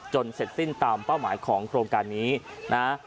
เสร็จสิ้นตามเป้าหมายของโครงการนี้นะ